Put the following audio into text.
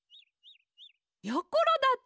やころだって！